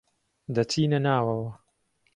دەچینە ناوەوە.